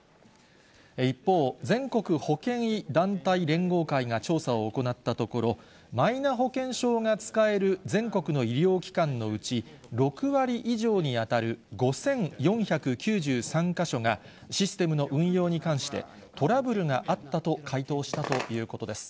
一方、全国保険医団体連合会が調査を行ったところ、マイナ保険証が使える全国の医療機関のうち、６割以上に当たる５４９３か所が、システムの運用に関して、トラブルがあったと回答したということです。